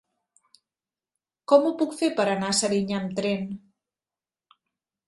Com ho puc fer per anar a Serinyà amb tren?